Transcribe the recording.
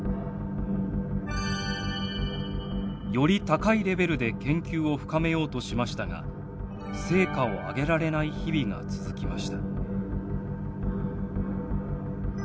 より高いレベルで研究を深めようとしましたが成果をあげられない日々が続きました。